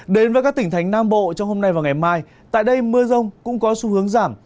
đến với các tỉnh thánh nam bộ trong hôm nay và ngày mai tại đây mưa rông cũng có xu hướng giảm